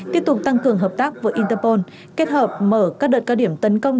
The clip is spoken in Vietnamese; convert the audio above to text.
tiếp tục tăng cường hợp tác với interpol kết hợp mở các đợt cao điểm tấn công